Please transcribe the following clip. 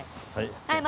はい。